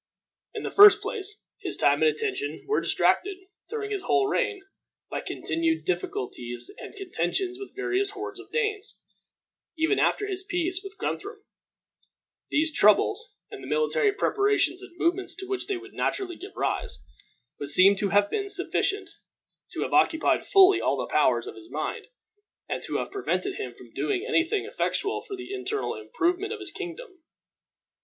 In the first place, his time and attention were distracted, during his whole reign, by continued difficulties and contentions with various hordes of Danes, even after his peace with Guthrum. These troubles, and the military preparations and movements to which they would naturally give rise, would seem to have been sufficient to have occupied fully all the powers of his mind, and to have prevented him from doing any thing effectual for the internal improvement of his kingdom.